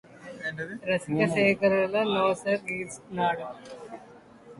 రసిక శేఖరులకు నొసగినాడు